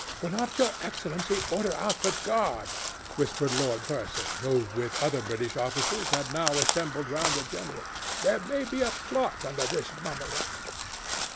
"Will not Your Excellency order out the guard?" whispered Lord Percy, who, with other British officers, had now assembled round the general. "There may be a plot under this mummery."